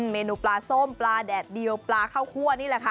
เมนูปลาส้มปลาแดดเดียวปลาข้าวคั่วนี่แหละค่ะ